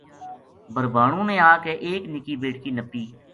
بھربھانو نے آ کے ا یک نِکی بیٹکی نَپی